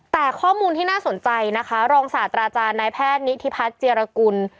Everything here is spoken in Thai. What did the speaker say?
แต่ข้อมูลที่น่าสนใจนะคะรองศาสตราจารย์นายแพทย์นิธิพัฒน์เจียรกุล